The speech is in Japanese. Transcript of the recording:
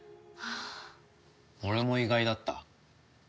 俺も意外だった。